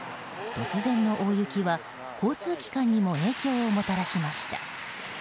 突然の大雪は交通機関にも影響をもたらしました。